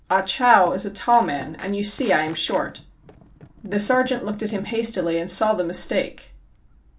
Ah Chow is a tall man, and you see I am short.'* The sergeant looked at him hastily and saw the mistake.